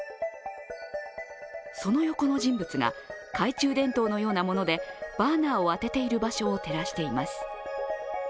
その横の人物が懐中電灯のようなものでバーナーを当てている場所を照らしています。